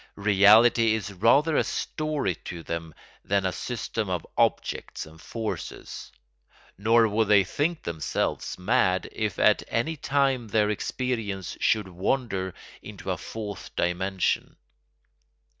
Reality is rather a story to them than a system of objects and forces, nor would they think themselves mad if at any time their experience should wander into a fourth dimension.